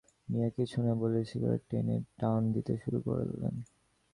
মিয়া কিছু না-বলে সিগারেটে টান দিতে শুরু করলেন।